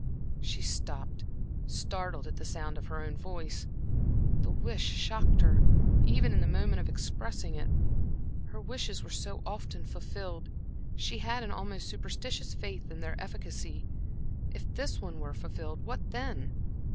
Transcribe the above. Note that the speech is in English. She stopped, startled at the sound of her own voice. The wish shocked her, even in the moment of expressing it. Her wishes were so often fulfilled she had an almost superstitious faith in their efficacy. If this one were fulfilled, what then?